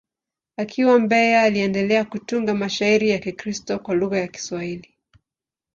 Akiwa Mbeya, aliendelea kutunga mashairi ya Kikristo kwa lugha ya Kiswahili.